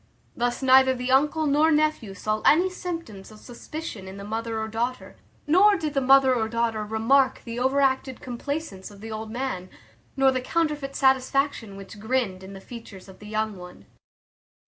Thus neither the uncle nor nephew saw any symptoms of suspicion in the mother or daughter; nor did the mother or daughter remark the overacted complacence of the old man, nor the counterfeit satisfaction which grinned in the features of the young one.